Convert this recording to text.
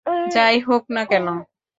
যাই হোক না কেন।